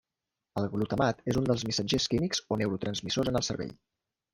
El glutamat és un dels missatgers químics o neurotransmissors en el cervell.